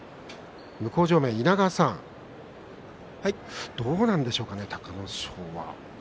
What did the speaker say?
向正面の稲川さんどうなんでしょうかね、隆の勝は。